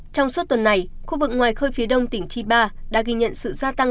trong suốt tuần này khu vực ngoài khơi phía đông tỉnh chiba đã ghi nhận sự gia tăng